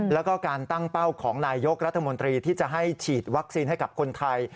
แล้วก็การตั้งเป้าของนายยกรัฐมนตรีที่จะให้ฉีดวัคซีนให้กับคนไทย